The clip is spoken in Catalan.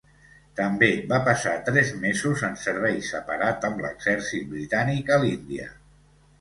També va passar tres mesos en servei separat amb l'exèrcit britànic a l'Índia.